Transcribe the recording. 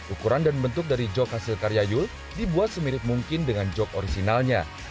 ukuran dan bentuk dari jog hasil karya yul dibuat semirip mungkin dengan jok orisinalnya